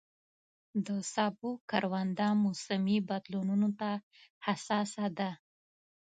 د سبو کرونده موسمي بدلونونو ته حساسه ده.